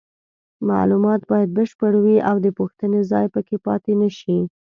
معلومات باید بشپړ وي او د پوښتنې ځای پکې پاتې نشي.